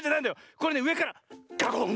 これねうえからガコン！